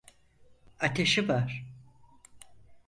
Ateşi var.